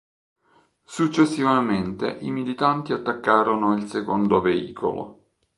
Successivamente i militanti attaccarono il secondo veicolo.